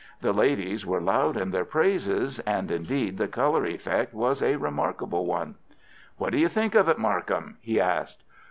The ladies were loud in their praises, and indeed the colour effect was a remarkable one. "What do you think of it, Markham?" he asked.